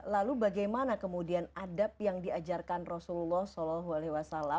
lalu bagaimana kemudian adab yang diajarkan rasulullah saw